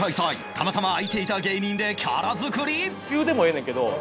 たまたま空いていた芸人でキャラ作り